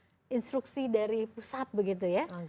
nah ini juga ada instruksi dari pusat begitu ya